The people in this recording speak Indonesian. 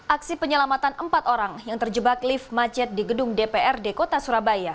aksi penyelamatan empat orang yang terjebak lift macet di gedung dprd kota surabaya